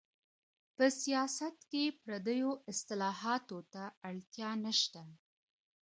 په سياست کي پرديو اصطلاحاتو ته اړتيا نشته.